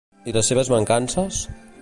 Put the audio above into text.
I les seves mancances?